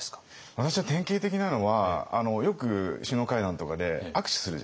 私は典型的なのはよく首脳会談とかで握手するじゃないですか。